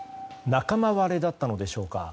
仲間割れだったのでしょうか。